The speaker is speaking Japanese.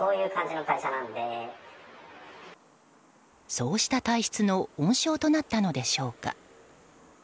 そうした体質の温床となったのでしょうか。